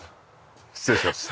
失礼します。